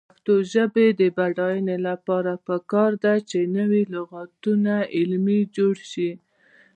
د پښتو ژبې د بډاینې لپاره پکار ده چې نوي لغتونه علمي جوړ شي.